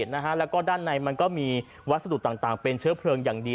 แล้วก็ด้านในมันก็มีวัสดุต่างเป็นเชื้อเพลิงอย่างดี